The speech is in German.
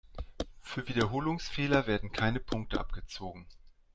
Für Wiederholungsfehler werden keine Punkte abgezogen.